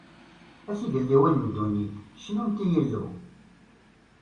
A tigeldiwin n ddunit, cnumt i Yillu!